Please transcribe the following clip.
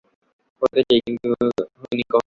হতে চাই, কিন্তু হইনি এখনও।